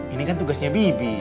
ini kan tugasnya bibi